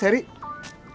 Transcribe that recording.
sabtu gak ada